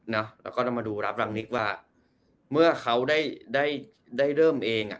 แล้วก็จะมาดูรับรักษณิกษ์ว่าเมื่อเขาได้เริ่มเอง